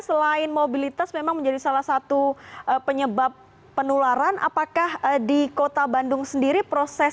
selain mobilitas memang menjadi salah satu penyebab penularan apakah di kota bandung sendiri proses